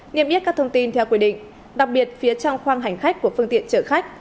niêm yết các thông tin theo quy định đặc biệt phía trong khoang hành khách của phương tiện chở khách